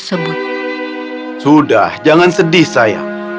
sudah jangan sedih sayang